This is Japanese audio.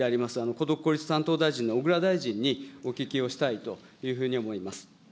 孤独・孤立担当大臣の小倉大臣にお聞きをしたいというふうに思います。